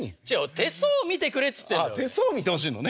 手相を見てくれっつってんだよ。